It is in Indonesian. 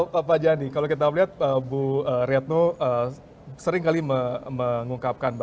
baik pak jani kalau kita lihat bu retno sering kali mengungkapkan